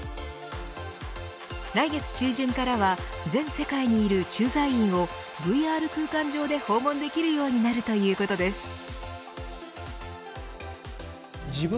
来月中旬からは全世界にいる駐在員をＶＲ空間上で訪問できるようになるということです。